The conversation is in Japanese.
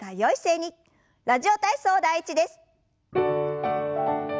「ラジオ体操第１」です。